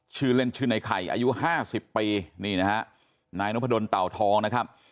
ชื่อเล่นชื่อในไข่อายุห้าสิบปีนี่นะฮะนายนพดลเต่าทองนะครับ